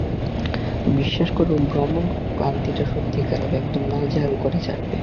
বিশ্বাস করো, ভ্রমণ ক্লান্তিটা সত্যিই খারাপ, একদম নাজেহাল করে ছাড়বে।